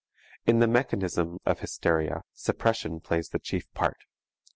In the mechanism of hysteria suppression plays the chief part.